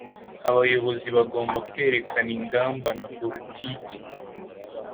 Abayobozi bagomba kwerekana ingamba na politiki